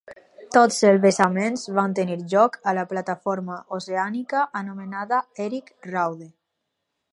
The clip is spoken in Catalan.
Tots els vessaments van tenir lloc a la plataforma oceànica anomenada Erik Raude.